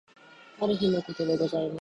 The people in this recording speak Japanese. ある日の事でございます。